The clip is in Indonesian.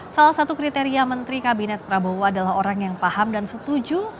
salah satu kriteria menteri kabinet prabowo adalah orang yang paham dan setuju